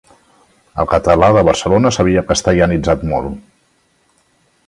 El català de Barcelona s'havia castellanitzat molt.